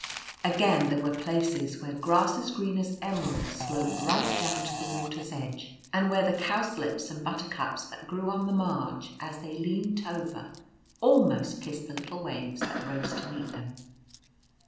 iji Again there were places where grass as green as eme rald sloped right down to the water's edge, and where the Cowslips and Buttercups that grew on the marge as they leant over almost kissed the little waves that rose to meet them.